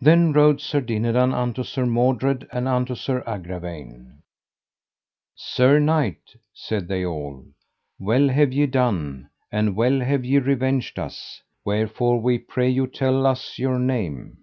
Then rode Sir Dinadan unto Sir Mordred and unto Sir Agravaine. Sir knight, said they all, well have ye done, and well have ye revenged us, wherefore we pray you tell us your name.